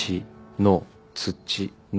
「の」「土」「の」